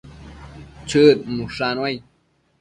Chëd nushannuai